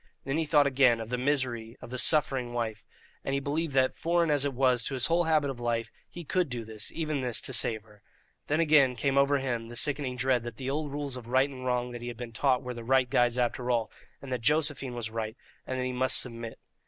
Then he thought again of the misery of the suffering wife, and he believed that, foreign as it was to his whole habit of life, he could do this, even this, to save her. Then again came over him the sickening dread that the old rules of right and wrong that he had been taught were the right guides after all, and that Josephine was right, and that he must submit.